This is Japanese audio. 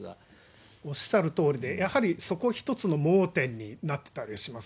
とおりで、やはりそこ、一つの盲点になってたりします。